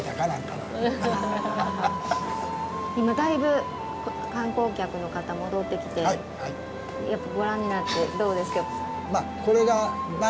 今だいぶ観光客の方戻ってきてやっぱご覧になってどうですか？